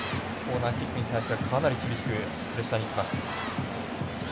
コーナーキックに対してはかなり厳しくプレッシャーにいきます。